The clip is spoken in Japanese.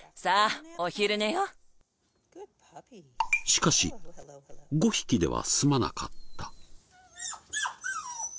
しかし５匹では済まなかった。